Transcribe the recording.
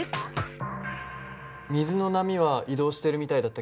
水の波は移動してるみたいだったけど。